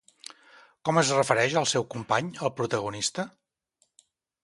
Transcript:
Com es refereix al seu company el protagonista?